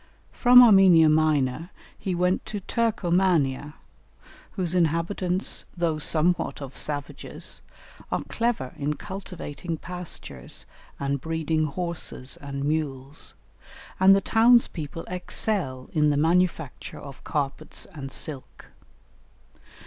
From Armenia Minor he went to Turcomania, whose inhabitants, though somewhat of savages, are clever in cultivating pastures and breeding horses and mules; and the townspeople excel in the manufacture of carpets and silk.